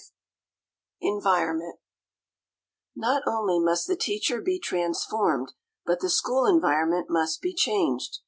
V ENVIRONMENT Not only must the teacher be transformed, but the school environment must be changed.